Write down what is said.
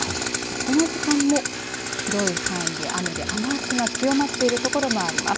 この時間も広い範囲で雨で雨足が強まっている所もあります。